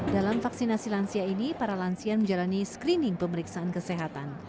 dalam vaksinasi lansia ini para lansia menjalani screening pemeriksaan kesehatan